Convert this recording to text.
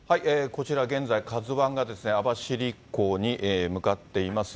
こちら、現在、ＫＡＺＵＩが網走港に向かっています。